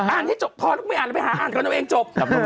อ่านให้จบพอแล้วไม่อ่านไปหาอ่านเดี๋ยวเราเองจบ